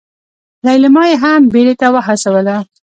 ليلما يې هم بيړې ته وهڅوله.